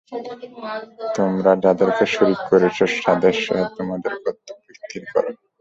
তোমরা যাদেরকে শরীক করেছ তাদেরসহ তোমাদের কর্তব্য স্থির কর।